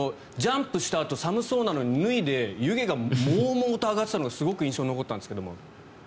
ジャンプしたあと寒そうなのに脱いで湯気がもうもうと上がっていたのがすごく印象に残ったんですけども。